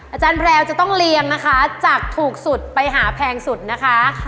อาจารย์แพรวจะต้องเลี้ยงนะคะจากถูกสุดไปหาแพงสุดนะคะ